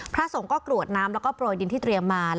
พระสงฆ์ก็กรวดน้ำแล้วก็โปรยดินที่เตรียมมา